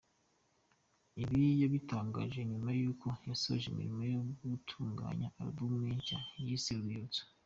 Ibi yabitangaje nyuma y’uko yasoje imirimo yo gutunganya Album ye nshya yise ‘Urwibutso‘.